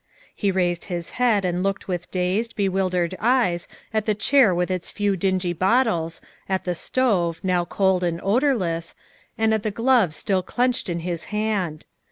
He raised his head and looked with dazed, bewildered eyes at the chair with its few dingy bottles, at the stove, now cold and odorless, and at the glove still clinched in his hand.